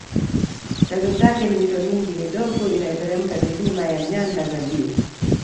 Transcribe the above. Chanzo chake ni mito mingi midogo inayoteremka milima ya nyanda za juu